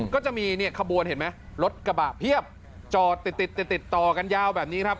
ก็จะมีเนี่ยขบวนเห็นไหมรถกระบะเพียบจอดติดติดติดต่อกันยาวแบบนี้ครับ